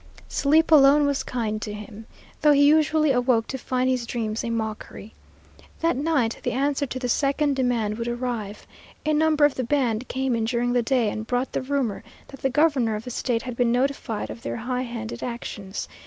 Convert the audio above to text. Sleep alone was kind to him, though he usually awoke to find his dreams a mockery. That night the answer to the second demand would arrive. A number of the band came in during the day and brought the rumor that the governor of the State had been notified of their high handed actions.